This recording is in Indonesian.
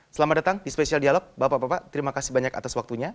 selamat datang di spesial dialog bapak bapak terima kasih banyak atas waktunya